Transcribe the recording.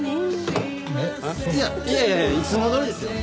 いやいやいやいつもどおりですよ。